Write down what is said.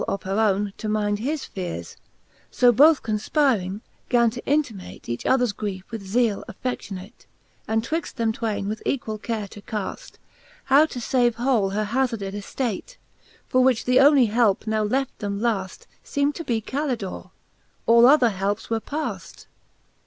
of her owne, to minde his feares: • So both confpiring, gan to intimate Each others griefe with zeale afFe(3:ionate, And twixt them twaine with equall care to caflr, How to fave whole her hazarded eftats; For which the onely helpe now left them laft Seem'd to be Call dor e\ all other helpes were paft.